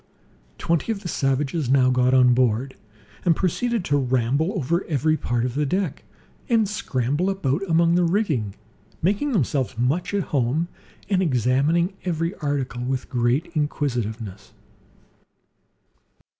Twenty of the savages now got on board, and proceeded to ramble over every part of the deck, and scramble about among the rigging, making themselves much at home, and examining every article with great inquisitiveness.